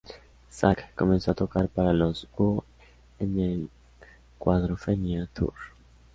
Zak comenzó a tocar para los Who en el Quadrophenia Tour.